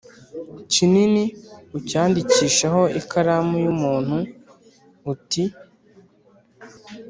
kinini ucyandikisheho ikaramu y umuntu uti